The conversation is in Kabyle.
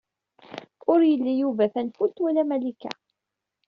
Ur ili Yuba tanfult wala Malika.